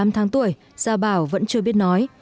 một mươi tám tháng tuổi gia bảo vẫn chưa biết nói